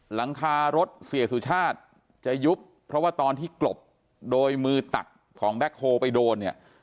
หลังคารถเสียสุชาติจะยุบเพราะว่าตอนที่กลบโดยมือตักของแบ็คโฮลไปโดนเนี่ย